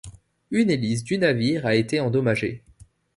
Une hélice du navire a été endommagée.